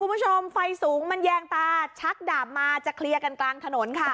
คุณผู้ชมไฟสูงมันแยงตาชักดาบมาจะเคลียร์กันกลางถนนค่ะ